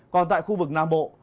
còn tại khu vực nam bộ